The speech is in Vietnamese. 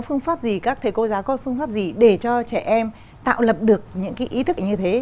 phương pháp gì các thầy cô giáo có phương pháp gì để cho trẻ em tạo lập được những cái ý thức như thế